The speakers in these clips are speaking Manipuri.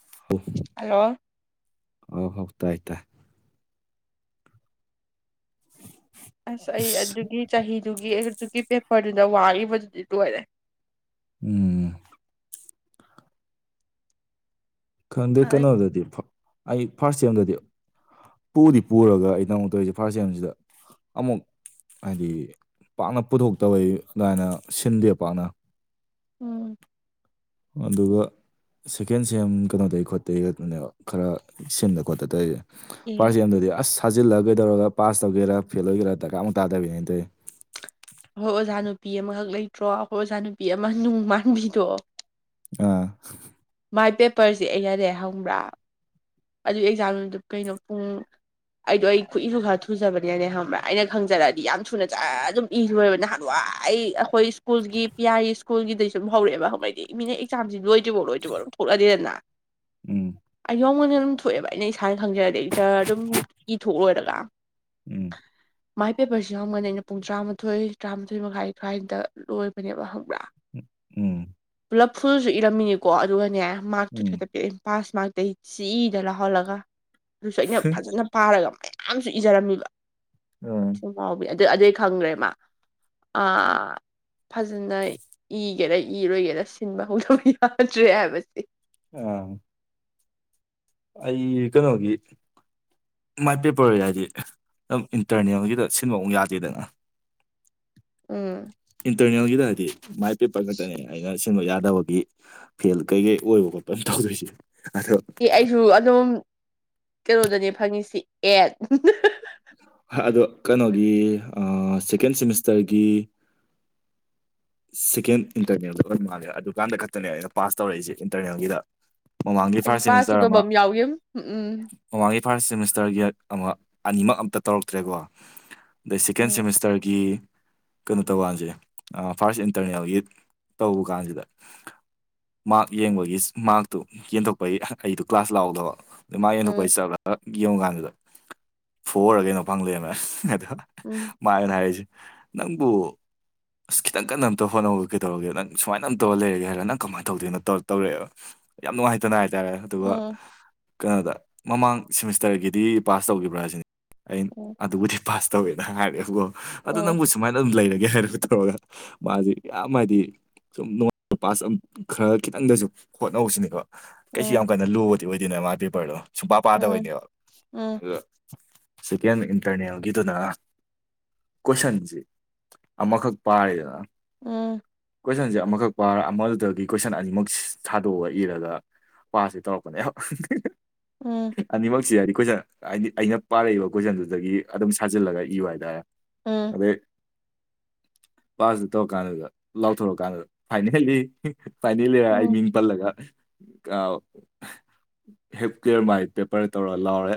[inaudible] ꯍꯜꯂꯣ ꯍꯥꯎ ꯍꯥꯎ ꯇꯥꯏ ꯇꯥꯏ ꯑꯁ ꯑꯩ ꯑꯗꯨꯒꯤ ꯆꯍꯤꯗꯨꯒꯤ ꯑꯗꯨꯒꯤ ꯄꯦꯄꯔꯗꯨꯗ ꯋꯥꯒꯤꯕꯗꯨꯗꯤ ꯂꯣꯏꯔꯦ ꯎꯝ ꯈꯪꯗꯦ ꯑꯩ ꯀꯩꯅꯣꯗꯗꯤ ꯐ ꯑꯩ ꯐꯥꯔꯁ ꯁꯦꯝꯗꯗꯤ ꯄꯨꯗꯤ ꯄꯨꯔꯒ ꯑꯩꯅ ꯃꯨꯛ ꯇꯧꯔꯤꯁꯦ ꯐꯥꯔꯁ ꯁꯦꯝꯁꯤꯗ ꯑꯃꯨꯛ ꯍꯥꯏꯗꯤ ꯄꯥꯛꯅ ꯄꯨꯊꯣꯛꯇꯕꯩ ꯑꯗꯨꯃꯥꯏꯅ ꯁꯤꯟꯗꯦ ꯄꯥꯛꯅ ꯎꯝ ꯑꯗꯨꯒ ꯁꯦꯀꯦꯟ ꯁꯦꯝ ꯀꯩꯅꯣꯗꯩꯩ ꯈꯣꯠꯇꯩ ꯈꯛꯇꯅꯦꯕ ꯈꯔ ꯁꯤꯟꯗ ꯈꯣꯠꯇ ꯇꯧꯏꯖꯦ ꯑꯩꯈꯣꯏ ꯐꯥꯔꯁ ꯁꯦꯝ ꯗꯗꯤ ꯑꯁ ꯊꯖꯤꯜꯂ ꯒꯩꯗꯧꯔꯒ ꯄꯥꯁ ꯇꯧꯒꯦꯔꯥ ꯐꯦꯜ ꯑꯣꯏꯒꯦꯔꯥ ꯗꯔꯀꯥ ꯑꯃꯨꯛ ꯇꯥꯕꯤꯅꯦ ꯑꯩ ꯇꯧꯏ ꯑꯩꯈꯣꯏ ꯑꯣꯖꯥ ꯅꯨꯄꯤ ꯑꯃꯈꯛ ꯂꯩꯇ꯭ꯔꯣ ꯑꯩꯈꯣꯏ ꯑꯣꯖꯥ ꯅꯨꯄꯤ ꯑꯃ ꯅꯨꯡ ꯃꯥꯟꯕꯤꯗꯣ ꯑꯥ ꯃꯥꯏ ꯄꯦꯄꯔꯁꯦ ꯑꯩꯅꯅꯦ ꯈꯪꯕ꯭ꯔꯥ ꯑꯗꯨ ꯑꯦꯛꯖꯥꯝꯗꯨ ꯀꯩꯅꯣ ꯄꯨꯡ ꯑꯩꯗꯣ ꯑꯩ ꯈꯨꯠꯏꯁꯨ ꯈꯔ ꯊꯨꯖꯕꯅꯦꯅ ꯈꯪꯕ꯭ꯔꯥ ꯑꯩꯅ ꯈꯪꯖꯔꯛꯑꯗꯤ ꯌꯥꯝ ꯊꯨꯅ ꯖꯔ ꯑꯗꯨꯝ ꯏꯔꯣꯂꯣꯏꯕ ꯅꯍꯥꯟꯋꯥꯏ ꯑꯩꯈꯣꯏ ꯁ꯭ꯀꯨꯜꯒꯤ ꯄꯤ ꯑꯥꯔꯤ ꯁ꯭ꯀꯨꯜꯒꯤꯗꯩ ꯁꯨ ꯑꯗꯨꯨꯝ ꯍꯧꯔꯛꯑꯦꯕ ꯑꯩꯗꯤ ꯃꯤꯅ ꯑꯦꯛꯖꯥꯝꯁꯤ ꯂꯣꯏ ꯂꯣꯏꯗ꯭ꯔꯤꯕꯣ ꯊꯣꯛꯂꯛꯑꯗꯅ ꯎꯝ [unintelligible] ꯊꯣꯛꯑꯦꯕ ꯑꯩꯅ ꯏꯁꯥꯅ ꯈꯪꯖꯔꯗꯤ ꯖꯔ ꯑꯗꯨꯝ ꯏꯊꯣꯛꯂꯣꯏꯔꯒ ꯎꯝ ꯃꯥꯏ ꯄꯦꯄꯔꯁꯤ ꯍꯪꯒꯅꯤ ꯑꯩꯅ ꯄꯨꯡ ꯇꯔꯥꯃꯥꯊꯣꯏ ꯇꯔꯥꯃꯥꯊꯣꯏ ꯃꯈꯥꯏ ꯁ꯭ꯋꯥꯏꯗ ꯂꯣꯏꯕꯅꯦꯕ ꯈꯪꯕ꯭ꯔꯥ ꯎꯝ ꯄꯨꯂꯞ ꯐꯨꯜꯁꯨ ꯏꯔꯝꯃꯤꯅꯤꯀꯣ ꯑꯗꯨꯒꯅꯦ ꯃꯥꯔ꯭ꯛ ꯊꯨꯠ ꯎꯝ ꯈꯛꯇ ꯄꯤꯔꯛꯏꯝ ꯄꯥꯁ ꯃꯥꯔ꯭ꯛꯇꯩ ꯆꯤ [unintelligible] ꯂꯥꯎꯍꯜꯂꯒ ꯑꯗꯨꯁꯨ ꯑꯩꯅ ꯐꯖꯅ ꯄꯥꯔꯒ ꯃꯌꯥꯝꯁꯨ ꯏꯖꯔꯝꯃꯤꯕ ꯑꯥ [unintelligible] ꯑꯗꯨ ꯑꯗꯨꯩ ꯈꯪꯒ꯭ꯔꯦ ꯃꯥ ꯑꯥ ꯐꯖꯅ ꯏꯒꯦꯔ ꯏꯔꯣꯏꯒꯦꯔꯥ ꯁꯤꯟꯕ ꯍꯧꯗꯕ ꯌꯥꯗ꯭ꯔꯦ ꯍꯥꯏꯕꯁꯦ [unintelligible] ꯑꯩ ꯀꯩꯅꯣꯒꯤ ꯃꯥꯏ ꯄꯦꯄꯔ [unintelligible] ꯑꯗꯨꯝ ꯏꯟꯇꯔꯅꯦꯜꯒꯤꯗ ꯁꯤꯟꯕ ꯑꯃꯨꯛ ꯌꯥꯗꯦꯗꯅ ꯎꯝ ꯏꯟꯇꯔꯅꯦꯜꯒꯤꯗ ꯍꯥꯏꯗꯤ ꯃꯥꯏ ꯄꯦꯄꯔ ꯈꯛꯇꯅꯦ ꯌꯥꯗꯕꯒꯤ ꯐꯦꯜ ꯀꯩꯀꯩ ꯑꯣꯏꯕ ꯈꯣꯠꯄꯅꯦ ꯇꯧꯗꯣꯏꯁꯦ ꯑꯗꯣ ꯁꯤ ꯑꯩꯁꯨ ꯑꯗꯨꯝ ꯀꯩꯅꯣꯗꯅꯦ ꯐꯪꯉꯤꯁꯤ ꯑꯦ ꯑꯗꯣ ꯀꯩꯅꯣꯒꯤ ꯁꯦꯀꯦꯟ ꯁꯦꯃꯤꯁꯇꯔꯒꯤ [inaudible] ꯁꯦꯀꯦꯟ ꯏꯟꯇꯔꯅꯦꯜꯗ ꯑꯣꯏ ꯃꯥꯜꯂꯦ ꯑꯗꯨꯀꯥꯟꯗ ꯈꯛꯇꯅꯦ ꯑꯩꯅ ꯄꯥꯁ ꯇꯧꯔꯛꯏꯁꯦ ꯏꯟꯇꯔꯅꯦꯜꯒꯤꯗ ꯃꯃꯥꯡꯒꯤ ꯑꯩꯁꯨ ꯐꯥꯔꯁ ꯄꯥꯁ ꯁꯦꯃꯤꯁꯇꯔ ꯇꯧꯗꯕ ꯑꯃ ꯌꯥꯎꯒꯤꯝ ꯎꯝ ꯃꯃꯥꯡꯒꯤ ꯐꯥꯔꯁ ꯁꯦꯃꯤꯁꯇꯔꯒꯤ ꯑꯃ ꯑꯅꯤꯃꯛ ꯑꯝꯇ ꯇꯧꯔꯛꯇ꯭ꯔꯦꯀꯣ ꯁꯦꯀꯦꯟ ꯎꯝ ꯁꯦꯃꯤꯁꯇꯔꯒꯤ ꯀꯩꯅꯣ ꯇꯧꯕ ꯀꯥꯟꯁꯦ ꯐꯥꯔꯁ ꯏꯟꯇꯔꯅꯦꯜꯒꯤ ꯇꯧꯕ ꯀꯥꯟꯁꯤꯗ ꯃꯥꯔꯛ ꯌꯦꯡꯕꯒꯤ ꯃꯥꯔꯛꯇꯨ ꯌꯦꯟꯊꯣꯛꯄꯒꯤ ꯑꯩꯗꯨ ꯀ꯭ꯂꯥꯁ ꯂꯥꯛꯎꯗꯕ ꯑꯗꯩ ꯃꯥꯒꯤ ꯌꯦꯟꯊꯣꯛꯄꯩ ꯎꯝ ꯆꯠꯂꯒ ꯌꯦꯡ ꯀꯥꯟꯗꯨꯗ ꯐꯔ ꯀꯩꯅꯣ ꯐꯪ ꯂꯩꯔꯝꯃꯦ ꯑꯗ ꯎꯝ [inaudible] ꯃꯥꯥꯏꯅ ꯍꯥꯏꯔꯤꯁꯦ ꯅꯪꯕꯨ ꯑꯁ ꯈꯤꯇꯪ ꯀꯟꯅ ꯑꯝꯇ ꯍꯣꯠꯅꯧ ꯀꯩꯗꯧꯔꯒꯦ ꯅꯪ ꯁꯨꯃꯥꯏꯅꯑꯝ ꯇꯧꯔ ꯂꯩꯔꯒꯦ ꯍꯥꯏꯔ ꯅꯪ ꯀꯃꯥꯏꯅ ꯇꯧꯗꯅ ꯇꯧ ꯇꯧꯔꯛꯑꯦ [unintelligible] [inaudible] ꯌꯥꯝ ꯅꯨꯡꯉꯥꯏꯇꯅ ꯍꯥꯏꯇꯥꯔꯦ ꯑꯗꯨꯒ ꯎꯝ ꯀꯩꯅꯣꯗ ꯃꯃꯥꯡ ꯁꯤꯃꯤꯁꯇꯔꯒꯤꯗꯤ ꯄꯥꯁ ꯇꯧꯈꯤꯕ꯭ꯔꯥ ꯁꯤꯅꯤ ꯑꯩꯅ ꯎꯝ ꯎꯝ ꯑꯗꯨꯕꯨꯗꯤ ꯄꯥꯁ ꯇꯧꯋꯦꯅ ꯍꯥꯏꯔꯛꯦꯕꯀꯣ ꯑꯗꯨ ꯎꯝ ꯅꯪꯕꯨ ꯁꯨꯃꯥꯏꯅ ꯑꯗꯨꯝ ꯂꯩꯔꯒꯦ ꯍꯥꯏꯔꯒ ꯇꯧꯔꯒ ꯃꯥꯁꯤ ꯌꯥꯝ ꯍꯥꯏꯗꯤ ꯁꯨꯝ ꯅꯨꯡꯉꯥꯏꯕ ꯄꯥꯁ ꯈꯔ ꯈꯤꯇꯪꯗꯁꯨ ꯍꯣꯠꯅꯍꯧꯁꯤꯅꯦꯕ ꯀꯩꯁꯨ ꯌꯥꯝ ꯀꯟꯅ ꯂꯨꯕꯗꯤ ꯑꯣꯏꯗꯦꯅ ꯃꯥꯒꯤ ꯄꯦꯄꯔꯗꯣ ꯁꯨꯡꯄꯥ ꯄꯥꯗꯕꯩꯅꯦꯕ ꯑꯗꯨ ꯁꯦꯀꯦꯟ ꯏꯟꯇꯔꯅꯦꯜꯒꯤꯗꯨꯅ ꯁꯟꯁꯤ ꯑꯃꯈꯛ ꯄꯥꯏꯔꯤꯗꯅ ꯎꯝ ꯀꯣꯏꯁꯟꯁꯦ ꯑꯃꯈꯛ ꯄꯥꯔ ꯑꯃꯗꯒꯤ ꯀꯣꯏꯁꯟ ꯑꯅꯤꯃꯛ ꯁꯥꯗꯣꯛꯑꯒ ꯏꯔꯒ ꯄꯥꯁꯁꯤ ꯇꯧꯔꯛꯄꯅꯦꯕ ꯎꯝ ꯑꯅꯤꯃꯛꯁꯤ ꯍꯥꯏꯗꯤ ꯀꯣꯏꯁꯟ ꯍꯥꯏꯗꯤ ꯑꯩꯅ ꯄꯥꯔꯛꯏꯕ ꯀꯣꯏꯁꯟꯗꯨꯗꯒꯤ ꯑꯗꯨꯝ ꯁꯥꯖꯤꯜꯂꯒ ꯏꯌꯨ ꯍꯥꯏꯇꯥꯔꯦ ꯎꯝ ꯄꯥꯁꯇ ꯇꯧꯔ ꯀꯥꯟꯗꯨꯗ ꯂꯥꯎꯊꯣꯔꯛꯀꯥꯟꯗꯨꯗ ꯐꯥꯏꯅꯦꯜꯂꯤ ꯐꯥꯏꯅꯦꯜꯂꯤ ꯍꯥꯏꯔ ꯑꯩ ꯃꯤꯡ ꯄꯜꯂꯒ ꯍꯦꯞ ꯀꯂꯤꯌꯥꯔ ꯃꯥꯥꯏ ꯄꯦꯄꯔ ꯇꯧꯔ ꯂꯥꯎꯔꯦ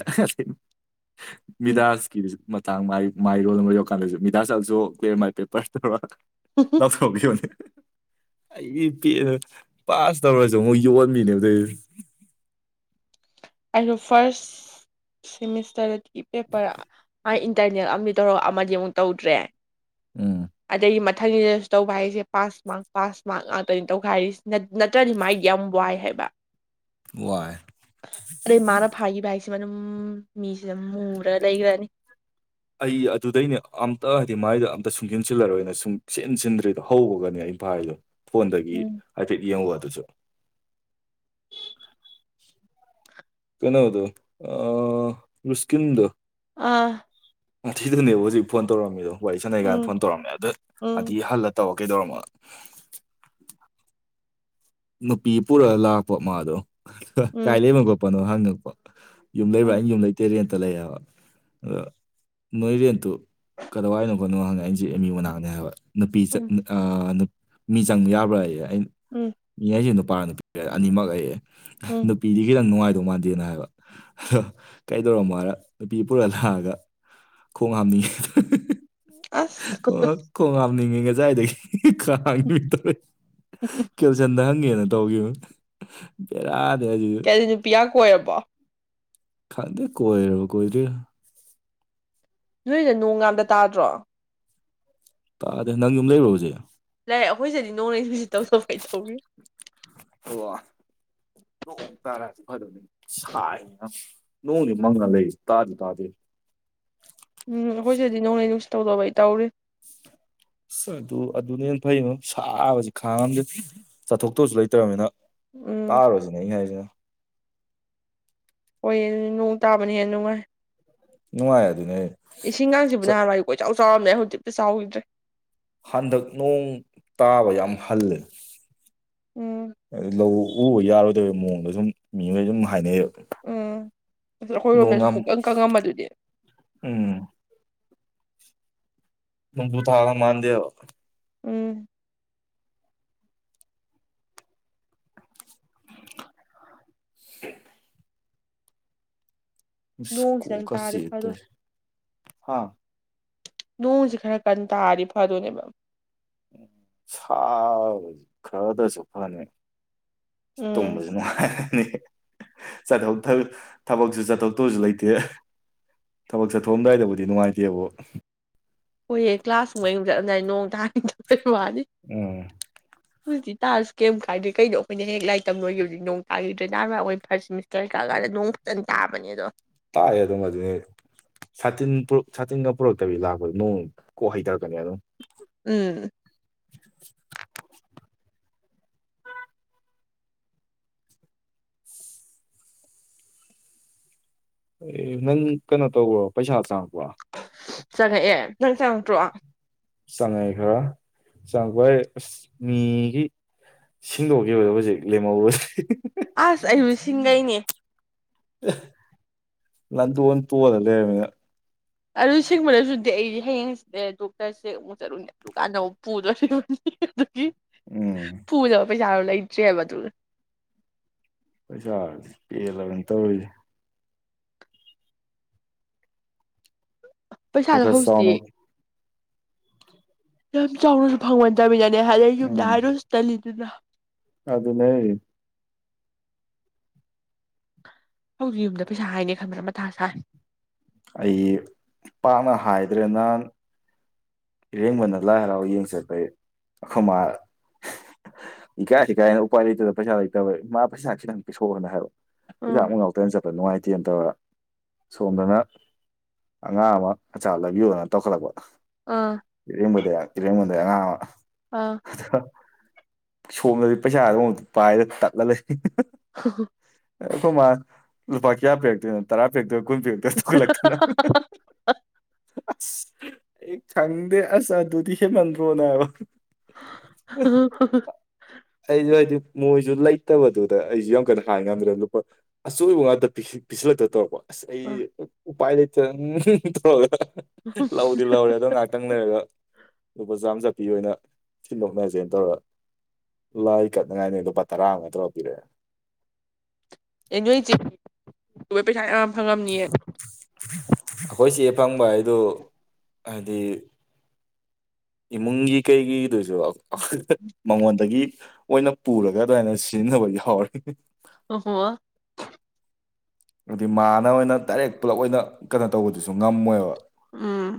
ꯕꯤꯗꯥꯥꯁꯀꯤꯅꯦ [inaudible] ꯥ ꯃꯥꯏ ꯃꯥꯏ ꯔꯣꯜ ꯑꯃ ꯌꯧꯔꯀꯥꯟꯗꯁꯨ ꯃꯤꯗꯥ ꯆꯠꯂꯁꯨ ꯀ꯭ꯂꯤꯌꯥꯔ ꯃꯥꯏ ꯄꯦꯄꯔ ꯇꯧꯔ [inaudible] ꯂꯧꯊꯣꯛꯄꯤꯌꯨꯅꯦ ꯑꯩꯒꯤ ꯄꯦꯅ ꯄꯥꯁ ꯇꯧꯔꯁꯨ ꯑꯃꯨꯛ ꯌꯣꯟꯕꯤꯅꯦꯕ ꯑꯗꯨꯏ ꯑꯩꯗꯣ ꯐꯥꯔꯁ ꯁꯦꯃꯤꯁꯇꯔꯒꯤ ꯄꯦꯄꯔꯔꯥ ꯃꯥ ꯏꯟꯇꯔꯅꯦꯜ ꯑꯃꯗꯤ ꯇꯧꯔꯒ ꯑꯃꯗꯤ ꯑꯃꯨꯛ ꯇꯧꯗ꯭ꯔꯦ ꯎꯝ ꯑꯗꯒꯤ ꯃꯊꯪꯒꯤꯗꯁꯨ ꯇꯧꯕ ꯍꯥꯏꯔꯤꯁꯦ ꯄꯥꯁ ꯃꯥꯔꯛ ꯄꯥꯁ ꯃꯥꯔꯛ ꯉꯥꯛꯇꯅꯤ ꯇꯧ ꯈꯥꯏꯔꯤꯁꯦ ꯅꯠꯇ꯭ꯔꯗꯤ ꯃꯥꯥꯏꯗꯤ ꯌꯥꯝ ꯋꯥꯏ ꯍꯥꯏꯕ ꯋꯥꯏ ꯑꯗꯩ ꯃꯥꯅ ꯐꯥꯒꯤꯈꯤꯕ ꯍꯥꯏꯁꯤꯃ ꯑꯗꯨꯝ ꯃꯤꯁꯤ ꯑꯗꯨ ꯃꯨꯔꯒ ꯂꯩꯈ꯭ꯔꯅꯤ ꯑꯩ ꯑꯗꯨꯗꯩꯅꯦ ꯑꯝꯇ ꯍꯥꯏꯗꯤ ꯃꯥꯏꯗ ꯑꯝꯇ ꯁꯨꯡꯁꯤꯟꯁꯤꯜꯂꯔꯣꯏꯅ ꯁꯨꯡꯁꯤꯟ ꯁꯤꯟꯗ꯭ꯔꯤꯗꯣ ꯍꯧꯕꯒꯅꯦ ꯑꯩ ꯐꯥꯔꯤꯗꯣ ꯐꯣꯟꯗꯒꯤ ꯎꯝ ꯍꯥꯏꯐꯦꯠ ꯌꯦꯡꯉꯨꯕ ꯑꯗꯨꯁꯨ ꯀꯩꯅꯣꯗꯨ ꯑꯥ ꯔꯁꯀꯤꯟꯗꯨ ꯑꯥ ꯗꯅꯦꯕ ꯍꯧꯖꯤꯛ ꯐꯣꯟ ꯇꯧꯔꯝꯃꯦꯗꯣ ꯋꯥꯔꯤ ꯁꯥꯟꯅꯩꯀꯥꯟꯗ ꯎꯝ ꯐꯣꯟ ꯇꯧꯔꯝꯃꯦ ꯑꯗ ꯎꯝ ꯑꯗꯨꯗꯤ ꯍꯜꯂ ꯇꯧ ꯀꯩꯗꯧꯔꯝꯃ [inaudible] ꯅꯨꯄꯤ ꯄꯨꯔꯒ ꯂꯥꯛꯄ ꯃꯥꯗꯣ ꯎꯝ ꯀꯥꯏ ꯂꯩꯕ ꯈꯣꯠꯄꯅꯣ ꯍꯪꯉꯛꯄ ꯌꯨꯝ ꯂꯩꯕ꯭ꯔꯥ ꯑ ꯑꯩ ꯌꯨꯝ ꯂꯩꯇꯦ ꯔꯦꯟꯇ ꯂꯩ ꯍꯥꯢꯕ ꯑꯗꯣ ꯅꯣꯏ ꯔꯦꯟꯠꯇꯨ ꯀꯗꯥꯋꯥꯏꯅꯣ ꯈꯣꯠꯅꯣ ꯍꯪꯉꯦ ꯑꯩꯁꯨ ꯑꯦꯝ ꯌꯨ ꯃꯅꯥꯛꯅꯦ ꯍꯥꯏꯕ ꯅꯨꯄꯤ ꯆꯠ ꯎꯝ ꯃꯤ ꯆꯪꯕ ꯌꯥꯕ꯭ꯔꯥꯌꯦ ꯑꯩꯅ ꯎꯝ ꯌꯥꯢꯌꯦ ꯅꯨꯄꯥ ꯅꯨꯄꯤ ꯑꯅꯤꯃꯛ ꯑꯩ ꯎꯝ ꯅꯨꯄꯤꯗꯤ ꯈꯤꯇꯪ ꯅꯨꯡꯉꯥꯏꯗꯧ ꯃꯥꯟꯗꯦꯅ ꯍꯥꯏꯕ ꯑꯗꯣ ꯀꯩꯗꯧꯔꯝꯃꯣ ꯍꯥꯢꯔ ꯅꯨꯄꯤ ꯄꯨꯔ ꯂꯥꯛꯑꯒ ꯈꯣꯡ ꯍꯥꯝꯅꯤꯡꯉꯦ ꯑꯁ ꯈꯣꯡ ꯍꯥꯝꯅꯤꯡꯉꯦ ꯉꯖꯥꯏꯗꯒꯤ ꯈꯥꯒꯅꯤꯕꯤꯠꯇꯔ [inaudible] ꯅꯍꯥꯟꯒꯩꯅ ꯇꯧꯈꯤꯕ ꯕꯦꯔꯥꯅꯦ ꯍꯧꯖꯤꯛ [inaudible] ꯑꯗꯨꯗꯤ ꯅꯨꯄꯤ ꯌꯥꯝ ꯀꯣꯏꯔꯕꯣ ꯈꯪꯗꯦ ꯀꯣꯏꯔꯕ ꯀꯣꯏꯗ꯭ꯔꯤꯔ ꯅꯣꯏꯅ ꯅꯣꯡ ꯀꯗ ꯇꯥꯗ꯭ꯔꯣ [inaudible] ꯇꯥꯗꯦ ꯅꯪ ꯌꯨꯝ ꯂꯩꯕ꯭ꯔꯣ ꯍꯧꯖꯤꯛ ꯂꯩ ꯑꯩꯈꯣꯏꯁꯤꯗꯗꯤ ꯅꯣꯡꯂꯩ ꯅꯨꯡꯁꯤꯠ ꯇꯧꯗꯅ ꯀꯩ ꯇꯧꯤ [inaudible] ꯑꯣ ꯅꯣꯡ ꯇꯥꯔꯛ ꯐꯗꯧꯅꯤ ꯁꯥꯏ ꯅꯣꯡꯗꯤ ꯃꯪꯉ ꯂꯩ ꯇꯥꯗꯤ ꯇꯥꯗꯦ ꯎꯝ ꯑꯩꯈꯣꯏꯁꯤꯗꯗꯤ ꯅꯣꯡꯂꯩ ꯅꯨꯡꯁꯤꯠ ꯇꯧꯗꯣꯢꯕꯩ ꯇꯧꯔꯤ ꯑꯗꯨ ꯑꯗꯨꯅ ꯍꯦꯟꯅ ꯐꯩꯉꯣ ꯁꯥꯕꯁꯤ ꯈꯥꯡꯉꯝꯗꯦ ꯆꯠꯊꯣꯛꯇꯧꯁꯨ ꯂꯩꯇ꯭ꯔꯅꯤꯅ ꯎꯝ ꯇꯥꯔꯣ ꯁꯤꯅꯦ ꯑꯩꯅ ꯍꯥꯏꯖꯤꯅ ꯍꯣꯏꯌꯦ ꯅꯣꯡ ꯇꯥꯕꯅ ꯍꯦꯟꯅ ꯅꯨꯡꯉꯥꯏ ꯅꯨꯡꯉꯥꯏ ꯑꯗꯨꯅꯦ ꯍꯥꯢꯁꯦ ꯏꯁꯤꯡꯒꯁꯤꯕꯨ ꯅꯍꯥꯟꯋꯥꯏꯗꯤ ꯀꯣꯏꯆꯥꯎ ꯆꯥꯎꯔꯝꯃꯦ ꯍꯧꯖꯤꯛꯇꯤ ꯆꯥꯎꯈꯤꯗ꯭ꯔꯦ ꯍꯟꯗꯛ ꯅꯣꯡ ꯇꯥꯕ ꯌꯥꯝ ꯍꯜꯂꯦ ꯎꯝ ꯂꯧ ꯎꯕ ꯌꯥꯔꯣꯏꯗꯣꯏꯕꯩ ꯃꯑꯣꯡꯗ ꯁꯨꯝ ꯃꯤꯉꯣꯏ ꯑꯗꯨꯝ ꯍꯥꯏꯅꯩꯌꯦꯕ ꯎꯝ ꯑꯁ ꯅꯣꯡ ꯑꯩꯈꯣꯏꯔꯣꯝꯗꯁꯨ ꯌꯥꯝ ꯄꯨꯀꯪ ꯀꯪꯉꯝꯕꯗꯨꯗꯤ ꯎꯝ ꯅꯣꯡꯖꯨ ꯊꯥꯒ ꯃꯥꯥꯟꯗꯦꯕ ꯎꯝ [inaudible] ꯑꯁ ꯅꯣꯡꯁꯤꯗꯪ ꯀꯣꯛꯀ ꯇꯥꯔꯗꯤ ꯆꯤꯛꯑꯦ ꯐꯗꯧꯅꯤ ꯇꯧꯔꯤꯁꯦ ꯍꯥ ꯅꯣꯡꯁꯦ ꯈꯔ ꯀꯟ ꯇꯥꯔꯗꯤ ꯐꯗꯣꯏꯅꯦꯕ ꯁꯥ ꯈꯔꯗꯁꯨ ꯐꯅꯤ ꯎꯝ ꯇꯨꯝꯕꯁꯤꯅꯥ ꯆꯠꯊꯣꯛ ꯊꯕꯛꯁꯨ ꯆꯠꯊꯣꯛ ꯇꯧꯁꯨ ꯂꯩꯇꯦ ꯊꯕꯛ ꯆꯠꯊꯣꯛꯑꯝꯗꯥꯏꯗꯕꯨꯗꯤ ꯅꯨꯡꯉꯥꯏꯇꯦꯕꯨ ꯍꯣꯏꯌꯦ ꯀ꯭ꯂꯥꯁ [unintelligible] ꯎꯝ [inaudible] ꯍꯧꯖꯤꯛꯇꯤ ꯇꯥꯔꯁꯨ ꯀꯩꯝ ꯀꯥꯏꯗꯦ ꯀꯩꯅꯣ ꯑꯩꯈꯣꯏꯅꯤ ꯍꯌꯦꯡ ꯂꯥꯏꯔꯤꯛ ꯇꯝ ꯂꯣꯏ [unintelligible] ꯀꯔꯤ ꯀꯥꯡ ꯍꯥꯏꯔꯦ ꯅꯣꯡ ꯐꯖꯅꯥ ꯇꯕꯅꯤꯗꯣ ꯇꯥꯏ ꯑꯗꯨꯝ ꯑꯗꯨꯅꯤ ꯁꯥꯇꯤꯟ ꯄꯨꯔꯛ ꯁꯥꯇꯤꯟꯒ ꯄꯨꯔꯛꯇꯕꯤ ꯂꯥꯛꯄꯗꯨ ꯅꯣꯡ ꯀꯣꯛ ꯍꯩꯗꯔꯛꯀꯅꯤ ꯑꯗꯨꯝ ꯎꯝ [inaudible] ꯑꯦ ꯅꯪ ꯀꯩꯅꯣ ꯇꯧꯕ꯭ꯔꯣ ꯄꯩꯁꯥ ꯆꯪꯉꯛꯄ꯭ꯔꯣ ꯆꯪꯉꯛꯑꯦ ꯅꯪ ꯆꯪꯉꯛꯇ꯭ꯔꯣ ꯆꯪꯉꯛꯑꯦ ꯈꯔ ꯆꯪꯉꯛꯄꯥꯏ ꯑꯁ ꯃꯤꯒꯤ ꯁꯤꯡꯗꯣꯛꯈꯤꯕꯗꯣ ꯍꯧꯖꯤꯛ ꯂꯦꯝꯍꯧꯕꯁꯦ ꯑꯁ ꯑꯩꯁꯨ ꯁꯤꯡꯒꯩꯅꯦ ꯑꯥ ꯂꯟꯗꯣꯟ ꯇꯣꯟꯂꯥ ꯂꯩꯔꯝꯃꯦ ꯑꯗꯨ ꯁꯤꯡꯕꯔ ꯑꯗꯨꯗꯤ ꯑꯩ ꯍꯌꯦꯡ ꯍꯪꯆꯤꯠ ꯂꯩꯔꯒꯥ ꯗꯣꯛꯇꯔ ꯆꯦꯛ ꯑꯃꯨꯛ ꯆꯠꯂꯨꯅꯦ ꯗꯨꯀꯥꯟꯗ ꯐꯧ ꯄꯨ ꯎꯝ [unintelligible] ꯄꯨꯅꯕꯥ ꯄꯩꯁꯥ ꯗꯣ ꯂꯩꯇꯔꯤ ꯍꯥꯏꯕꯥ ꯗꯨ ꯄꯩꯁꯥꯁꯦ ꯄꯦꯜꯂꯕꯅꯤ ꯇꯧꯔꯤꯁꯦ ꯈꯔ ꯄꯩꯁꯥꯗꯣ ꯈꯔ ꯍꯧꯖꯤꯛꯇꯤ ꯆꯥꯎꯅ ꯌꯥꯝ ꯆꯥꯎꯅꯁꯨ ꯐꯪꯃꯟꯗꯕꯩꯅꯦ ꯍꯥꯏꯔꯛ ꯏꯁꯦ ꯌꯨꯝꯗ ꯎꯝ ꯍꯥꯏꯔꯨ ꯔꯁꯨ ꯇꯜꯂꯤꯗꯅ ꯑꯗꯨꯅꯦ ꯍꯥꯏꯁꯦ ꯍꯧꯖꯤꯛ ꯌꯨꯝꯗ ꯄꯩꯁꯥ ꯍꯥꯏꯅꯤ ꯈꯟꯕꯅ ꯃꯊꯥ ꯁꯥꯏ ꯑꯩꯗꯤ ꯄꯥꯛꯅ ꯍꯥꯏꯗ꯭ꯔꯦ ꯅ ꯏꯔꯦꯡꯕꯅ ꯂꯥꯏ ꯍꯔꯥꯎ ꯌꯦꯡ ꯆꯠꯄꯩ ꯑꯩꯈꯣꯏ ꯃꯥ ꯏꯀꯥꯏ ꯀꯥꯏꯅ ꯎꯄꯥꯏ ꯂꯩꯇꯕꯩ ꯄꯩꯁꯥ ꯂꯩꯇꯕꯩ ꯏꯃꯥ ꯄꯩꯁꯥ ꯈꯤꯇꯪ ꯄꯤꯊꯣꯛꯑꯣ ꯍꯥꯏꯔꯛ ꯄꯩꯁꯥ ꯎꯝ ꯑꯃꯐꯧ ꯌꯧꯗꯕꯥ ꯆꯠꯄꯗꯣ ꯅꯨꯡꯉꯥꯏꯇ ꯇꯦꯟ ꯇꯧꯔ ꯁꯣꯝꯗꯅ ꯑꯉꯥꯡ ꯑꯃ ꯑꯆꯥꯔ ꯂꯩꯕꯤꯌꯣꯅ ꯇꯧꯈꯠꯂꯛꯄ ꯑꯥ ꯏꯔꯦꯡꯕꯗ ꯏꯔꯦꯡꯕꯝꯗꯩꯩ ꯑꯉꯥꯡ ꯑꯃ ꯑꯥ ꯁꯣꯝꯗꯗꯤ ꯄꯩꯁꯥ ꯑꯃꯐꯧ ꯄꯥꯏꯗꯅ ꯇꯠꯂ ꯂꯩ ꯍꯣ ꯍꯣ ꯑꯩꯈꯣꯏ ꯃꯅꯥ ꯂꯨꯄꯥ ꯀꯌꯥ ꯄꯤꯔꯛꯇꯣꯏꯅꯣ ꯇꯔꯥ ꯄꯤꯔꯛꯇꯣꯏꯔ ꯀꯨꯟ ꯄꯤꯔꯛꯇꯣꯏꯔ ꯇꯧꯈꯠꯂꯛꯇꯅ ꯑꯁ ꯑꯩ ꯈꯪꯗꯦ ꯑꯁ ꯑꯗꯨꯗꯤ ꯍꯦꯟꯃꯟꯗ꯭ꯔꯣꯅ ꯍꯥꯏꯕ ꯑꯩꯁꯨ ꯍꯥꯏꯗꯤ ꯃꯣꯏꯁꯨ ꯂꯩꯇꯕꯗꯨꯗ ꯑꯩꯁꯨ ꯌꯥꯝ ꯀꯟꯅ ꯍꯥꯏ ꯉꯝꯗ꯭ꯔꯕ ꯂꯨꯄꯥ ꯑꯆꯣꯏꯕ ꯉꯥꯛꯇ ꯄꯁꯤꯜꯂꯛꯇ ꯇꯧꯔꯛꯄ ꯑꯁ ꯑꯩ ꯎꯄꯥꯏ ꯂꯩꯇꯗꯅꯥ ꯎꯝ ꯇꯧꯔꯥ ꯂꯧꯗꯤ ꯂꯧꯔꯦ ꯑꯗꯣ ꯉꯥꯏꯍꯥꯛꯇꯪ ꯂꯩꯔꯒ ꯂꯨꯄꯥ ꯆꯥꯝꯃ ꯆꯞꯄꯤ ꯑꯣꯏꯅ ꯁꯤꯟꯗꯣꯛꯅꯔꯁꯦꯅ ꯇꯧꯔꯒ ꯂꯥꯏ ꯀꯠꯅꯤꯉꯥꯏꯅꯦꯅ ꯂꯨꯄꯥ ꯇꯔꯥ ꯑꯃ ꯇꯧꯔ꯭ ꯄꯤꯔꯛꯑꯦ ꯑꯦ ꯅꯣꯏ ꯆꯦ ꯄꯩꯁꯥ ꯌꯥꯝ ꯐꯪꯉꯝꯅꯤꯌꯦ ꯑꯩꯈꯣꯏ ꯆꯦ ꯐꯪꯕ ꯍꯥꯏꯗꯨ ꯍꯥꯏꯗꯤ ꯏꯃꯨꯡꯒꯤ ꯀꯩꯒꯤꯗꯨꯁꯨ ꯃꯉꯣꯟꯗꯒꯤ ꯃꯣꯏꯅ ꯄꯨꯔꯒ ꯑꯗꯨꯃꯥꯏꯅ ꯁꯤꯖꯤꯟꯅꯕ ꯌꯥꯎꯔꯦ ꯑꯣ ꯍꯣ ꯑꯗꯨꯗꯩꯩ ꯃꯥꯅ ꯑꯣꯏꯅ ꯗꯥꯏꯔꯦꯛ ꯄꯨꯜꯂꯞ ꯑꯣꯏꯅ ꯀꯩꯅꯣ ꯇꯧꯕꯗꯨꯁꯨ ꯉꯝꯃꯣꯏꯕ ꯎꯝ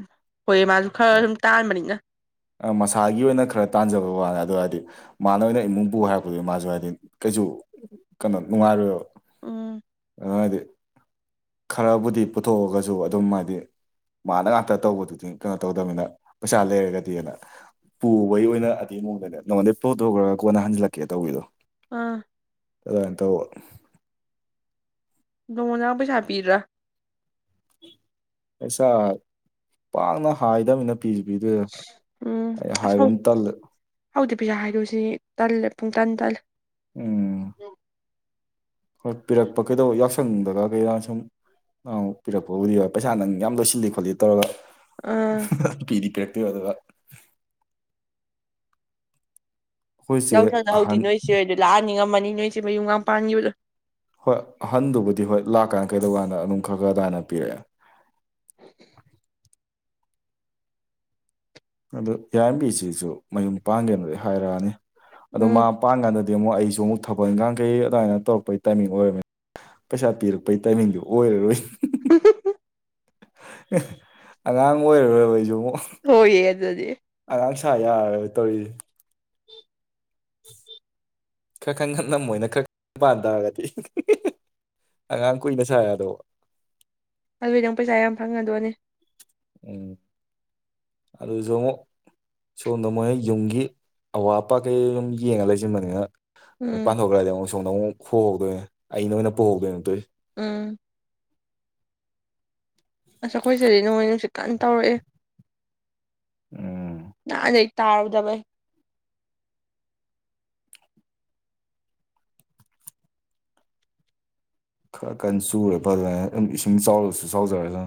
ꯍꯣꯏ ꯃꯥꯁꯨ ꯈꯔ ꯁꯨꯝ ꯇꯥꯥꯟꯕꯅꯤꯅ ꯃꯁꯥꯒꯤ ꯑꯣꯏꯅ ꯈꯔ ꯇꯥꯟꯖꯕ ꯋꯥꯅꯤ ꯑꯗꯨ ꯍꯥꯏꯗꯤ ꯃꯥꯅ ꯑꯣꯏꯅ ꯏꯃꯨꯡ ꯄꯨ ꯍꯥꯏꯔꯛꯄꯗꯨ ꯃꯥꯁꯨ ꯍꯥꯏꯗꯤ ꯀꯩꯁꯨ ꯀꯩꯅꯣ ꯅꯨꯡꯉꯥꯏꯔꯣꯏꯕ ꯎꯝ ꯑꯗꯨꯗꯤ ꯈꯔꯕꯨꯗꯤ ꯄꯨꯊꯣꯛꯑꯒꯁꯨ ꯑꯗꯨꯝ ꯍꯥꯏꯗꯤ ꯃꯥꯅ ꯉꯥꯛꯇ ꯇꯧꯕꯗꯨꯗꯤ ꯀꯩꯅꯣ ꯇꯧꯗꯅꯤꯅ ꯄꯩꯁꯥ ꯂꯩꯔꯒꯗꯤ ꯄꯨꯕꯒꯤ ꯑꯣꯏꯅ ꯑꯇꯦꯛꯃꯨꯗꯅꯦ ꯅꯉꯣꯟꯗꯩ ꯄꯨ ꯊꯣꯛꯈ꯭ꯔꯣ ꯀꯣꯟꯅ ꯍꯟꯖꯤꯜꯂꯛꯀꯦ ꯇꯧꯕꯤꯗꯣ ꯑꯥ ꯑꯗꯨꯃꯥꯏꯅ ꯇꯧꯕ ꯅꯪꯉꯣꯟꯗ ꯄꯩꯁꯥ ꯄꯤꯗ꯭ꯔꯥ ꯄꯩꯁꯥ ꯄꯥꯛꯅ ꯍꯥꯏꯗꯕꯅꯦ ꯄꯤꯁꯨ ꯄꯤꯗꯣꯏꯅꯦ ꯑꯩ ꯍꯥꯏꯕ ꯌꯥꯝ ꯇꯜꯂꯦ ꯍꯧꯗꯩꯩ ꯄꯩꯁꯥ ꯍꯥꯏꯗꯣꯏꯁꯤ ꯇꯜꯂꯦ ꯄꯨꯡ ꯇꯟ ꯇꯜꯂꯦ ꯎꯝ ꯍꯣꯏ ꯄꯤꯔꯛꯄ ꯀꯩꯗꯧꯕ ꯌꯥꯎꯁ ꯁꯪꯗꯒ ꯀꯩꯔꯥ ꯁꯨꯝ ꯄꯤꯔꯛꯄꯕꯨꯗꯤ ꯌꯧꯏ ꯄꯩꯁꯥ ꯅꯪ ꯌꯥꯝ ꯂꯣꯏꯁꯤꯜꯂꯤ ꯈꯣꯠꯂꯤ ꯇꯧꯔꯒ ꯑꯥ ꯄꯤꯗꯤ ꯄꯤꯔꯛꯇꯣꯏꯕ ꯑꯗꯨꯒ ꯑꯩꯈꯣꯏ ꯆꯦ ꯌꯥꯎꯁꯪ ꯍꯧꯔꯗꯤ ꯑꯍꯟ ꯅꯣꯏ ꯆꯦ ꯍꯣꯏꯗꯨ ꯂꯥꯛꯍꯟꯅꯤꯡꯉꯝꯃꯅꯤ ꯅꯣꯏ ꯁꯦ ꯃꯌꯨꯝꯒ ꯄꯥꯟꯈꯤꯕꯗꯣ ꯍꯣꯏ ꯑꯍꯟꯗꯨꯕꯨꯗꯤ ꯍꯣꯏ ꯂꯥꯛꯀꯥꯟꯗ ꯀꯩꯗꯧ ꯀꯥꯟꯗ ꯑꯗꯨꯝ ꯈꯔ ꯈꯔ ꯑꯗꯥꯏꯅ ꯄꯤꯔꯛꯑꯦ ꯑꯗꯨ ꯏꯦꯝꯕꯤꯁꯤꯁꯨ ꯃꯌꯨꯝ ꯄꯥꯡꯒꯦꯅꯗꯤ ꯍꯥꯏꯔꯛꯑꯅꯤ ꯑꯗꯣ ꯃꯥ ꯎꯝ ꯃꯄꯥꯟ ꯀꯥꯟꯗꯗꯤ ꯏꯉꯣ ꯑꯩꯁꯨ ꯑꯃꯨꯛ ꯊꯕꯛ ꯏꯟꯈꯥꯡꯈꯩ ꯑꯗꯨꯃꯥꯏꯅ ꯇꯧꯔꯛꯄꯒꯤ ꯇꯥꯏꯃꯤꯡ ꯑꯣꯏꯔꯝꯅꯤ ꯄꯩꯁꯥ ꯄꯤꯔꯛꯄꯒꯤ ꯇꯥꯏꯃꯤꯡꯗꯨ ꯑꯣꯏꯔꯔꯣꯏ ꯎ [unintelligible] ꯑꯉꯥꯡ ꯑꯣꯏꯔꯨꯔꯣꯏꯕ ꯑꯩꯁꯨ ꯑꯃꯨꯛ ꯂꯣꯏꯔꯦ ꯑꯗꯨꯗꯤ ꯑꯉꯥꯡ ꯁꯥ ꯌꯥꯔꯔꯣꯏ ꯇꯧꯔꯤꯁꯤ ꯎ [inaudible] ꯈꯔ ꯈꯪ ꯅꯝꯃꯣꯏꯅ ꯈꯔ ꯄꯥꯟ ꯇꯥꯔꯒꯗꯤ ꯑꯉꯥꯡ ꯀꯨꯏꯅ ꯁꯥ ꯌꯥꯗꯧꯕ ꯑꯗꯨꯏ ꯅꯪ ꯄꯩꯁꯥ ꯌꯥꯝ ꯐꯪꯉꯗꯣꯏꯅꯦ ꯎꯝ ꯑꯗꯨꯁꯨ ꯉꯣ ꯁꯣꯝꯗ ꯃꯣꯏꯅ ꯌꯨꯝꯒꯤ ꯑꯋꯥꯠ ꯑꯄꯥ ꯀꯩ ꯑꯗꯨꯨꯝ ꯌꯦꯡꯉ ꯂꯩꯁꯤꯟꯕꯅꯤꯅ ꯃꯣꯏ ꯎꯝ ꯄꯥꯟꯊꯣꯛꯈ꯭ꯔꯗꯤ ꯁꯣꯝꯗ ꯑꯃꯨꯛ ꯍꯣꯍꯧꯗꯣꯏꯅꯦ ꯑꯩꯅꯣꯏ ꯑꯣꯏꯅ ꯄꯨꯍꯧꯗꯣꯏꯛꯇꯣꯏ ꯎꯝ ꯑꯁ ꯑꯩꯈꯣꯏꯁꯤꯗꯗꯤ ꯅꯣꯡꯂꯩ ꯅꯨꯡꯁꯤꯠ ꯀꯟꯅ ꯇꯧꯔꯛꯑꯦ ꯎꯝ ꯅꯍꯥꯟꯗꯩ ꯇꯥꯔꯨꯗꯕꯩ ꯈꯔ ꯀꯟ ꯆꯨꯔ ꯐꯗꯣꯏꯅꯦ ꯑꯗꯨꯝ ꯏꯁꯤꯡ ꯆꯥꯎꯔꯁꯨ ꯆꯥꯎꯖꯔꯁꯅꯣ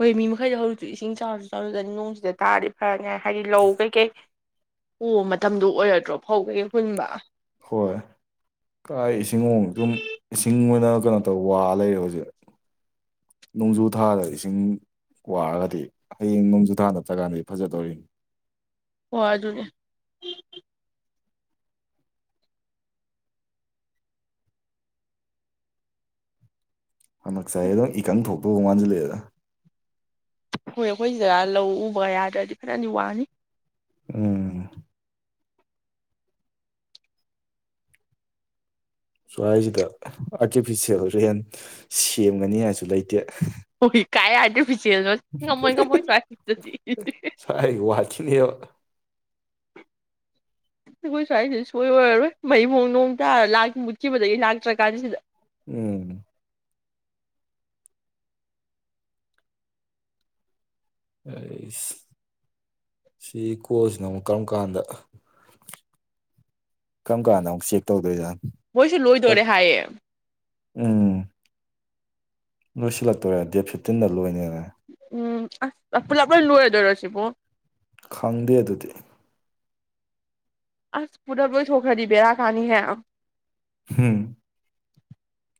ꯍꯣꯏ ꯃꯤ ꯃꯈꯩꯗ ꯍꯧꯖꯤꯛꯁꯨ ꯏꯁꯤꯡ ꯆꯥꯎꯔꯁꯨ ꯆꯥꯎꯔꯗ ꯅꯣꯡꯁꯤꯗ ꯇꯥꯔꯗꯤ ꯐꯔꯅꯤꯉꯥꯏ ꯍꯥꯏꯗꯤ ꯂꯧ ꯀꯩꯀꯩ ꯎ ꯃꯇꯝꯗꯨ ꯑꯣꯏꯔꯗ꯭ꯔꯣ ꯐꯧ ꯀꯩꯀꯩ ꯍꯨꯟꯕ ꯍꯣꯏ ꯀꯥꯏ ꯏꯁꯤꯡꯑꯣ ꯁꯨꯝ ꯏꯁꯤꯡ ꯑꯣꯏꯅ ꯀꯩꯅꯣ ꯇꯧ ꯋꯥ ꯂꯩꯔꯦ ꯍꯧꯖꯤꯛ ꯅꯣꯡꯖꯨ ꯊꯥꯗ ꯏꯁꯤꯡ ꯋꯥꯔꯒꯗꯤ ꯍꯌꯦꯡ ꯅꯣꯡꯖꯨ ꯊꯥꯗ [unintelligible] ꯐꯖꯗꯧꯔꯤꯅꯤ ꯍꯣ ꯑꯗꯨꯅꯦ ꯍꯟꯗꯛ ꯆꯍꯤ ꯑꯗꯨꯝ ꯏꯀꯪ ꯊꯣꯛꯇꯧꯕ ꯃꯥꯟꯁꯤꯜ ꯂꯛꯑꯦꯗ ꯍꯣꯏ ꯑꯩꯈꯣꯏ ꯁꯤꯗ ꯂꯧ ꯎꯕ ꯌꯥꯗ꯭ꯔꯗꯤ ꯈꯔꯗꯤ ꯋꯥꯅꯤ ꯎꯝ ꯁ꯭ꯋꯥꯏꯁꯤꯗ ꯑꯥꯔꯇꯤꯐꯤꯁꯦꯜ ꯔꯦꯟ ꯁꯦꯝꯒꯅꯤ ꯍꯥꯏꯁꯨ ꯂꯩꯇꯦ ꯍꯣꯏ ꯀꯥꯏ ꯑꯔꯇꯤꯐꯤꯁꯦꯜ ꯅꯣ ꯉꯃꯣꯏ ꯀꯃꯣꯏ ꯁ꯭ꯋꯥꯏꯁꯤꯗꯗꯤ [inaudible] ꯁ꯭ꯋꯥꯏ ꯋꯥꯠꯈꯤꯅꯦꯕ ꯑꯩꯈꯣꯏ ꯁ꯭ꯋꯥꯏꯁꯤ ꯁꯨꯛꯑꯣꯏ ꯑꯣꯏꯔꯔꯣꯏ ꯃꯩꯕꯣ ꯅꯣꯡ ꯇꯥꯔ ꯂꯥꯛꯈꯤ ꯃꯨꯠꯈꯤꯕꯗꯩꯩ ꯂꯥꯛꯇ꯭ꯔꯀꯥꯟ ꯁꯤꯗ ꯎꯝ ꯑꯩꯁ ꯁꯤ ꯀꯣꯜꯁꯤꯅ ꯑꯃꯨꯛ ꯀꯔꯝ ꯀꯥꯟꯗ ꯀꯔꯝ ꯀꯥꯟꯗ ꯑꯃꯨꯛ ꯆꯦꯛ ꯇꯧꯗꯣꯏ ꯖꯠꯅꯣ ꯃꯣꯏꯁꯦ ꯂꯣꯏꯗꯣꯔꯦ ꯍꯥꯏꯌꯦ ꯎꯝ ꯂꯣꯏ ꯁꯤꯜꯂꯛꯇꯣꯔꯦ ꯗꯦꯠ ꯐꯤꯞꯇꯤꯟꯗ ꯂꯣꯏꯅꯦ ꯎꯝ ꯑꯁ ꯄꯨꯂꯞ ꯂꯣꯏ ꯂꯣꯏꯔꯗꯣꯏꯔꯣ ꯁꯤꯕꯨ ꯈꯪꯗꯦ ꯑꯗꯨꯗꯤ ꯑꯁ ꯄꯨꯂꯞ ꯂꯣꯏꯊꯣꯛꯈ꯭ꯔꯗꯤ ꯕꯦꯔꯥ ꯀꯥꯅꯤꯍꯦ ꯍꯝ